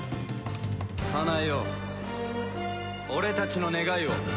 かなえよう俺たちの願いを。